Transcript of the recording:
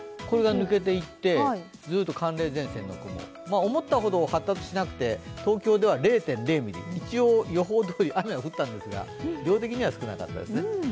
これが抜けていってずっと寒冷前線の雲、思ったほど発達しなくて東京では０．０ミリ予報どおり、雨は降ったんですが量的には少なかったですね。